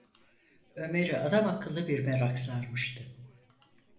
Ömer’i adamakıllı bir merak sarmıştı.